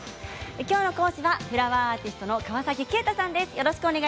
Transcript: きょうの講師はフラワーアーティストの川崎景太さんです。